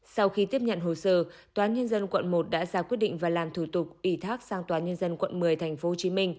sau khi tiếp nhận hồ sơ tòa nhân dân quận một đã ra quyết định và làm thủ tục ủy thác sang tòa nhân dân quận một mươi tp hcm